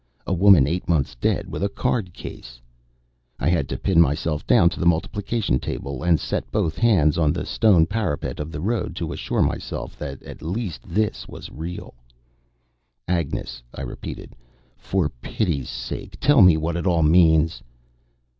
(A woman eight months dead with a cardcase!) I had to pin myself down to the multiplication table, and to set both hands on the stone parapet of the road, to assure myself that that at least was real. "Agnes," I repeated, "for pity's sake tell me what it all means."